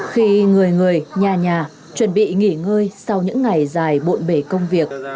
khi người người nhà nhà chuẩn bị nghỉ ngơi sau những ngày dài bộn bề công việc